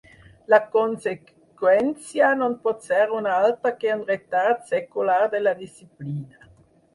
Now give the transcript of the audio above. La conseqüència no pot ser una altra que un retard secular de la disciplina.